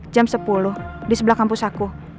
jam sepuluh di sebelah kampus aku